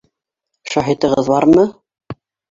— Шаһитығыҙ бармы?